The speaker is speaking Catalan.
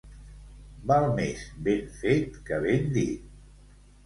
Val més ben fet que ben dit.